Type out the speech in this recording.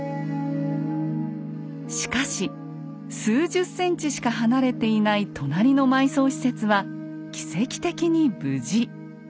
しかし数十センチしか離れていない隣の埋葬施設は奇跡的に無事。